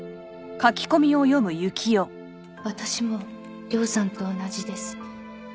「私もＲＹＯさんと同じです」